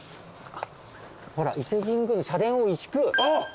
ほら「伊勢神宮の社殿を移築」あっ。